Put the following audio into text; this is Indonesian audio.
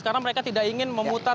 karena mereka tidak ingin memutar